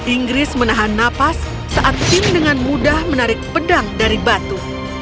inggris menahan napas saat tim dengan mudah menarik pedang dari batu